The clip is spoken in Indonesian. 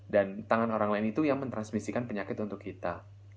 dan tangan orang lain itu yang mentransmisikan penyakit untuk kita